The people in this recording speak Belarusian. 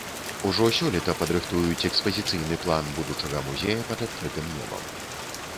Ужо сёлета падрыхтуюць экспазіцыйны план будучага музея пад адкрытым небам.